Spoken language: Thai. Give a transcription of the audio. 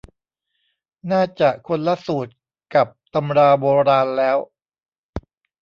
น่าจะคนละสูตรกับตำราโบราณแล้ว